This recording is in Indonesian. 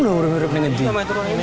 ini sudah diundang ini sudah diundang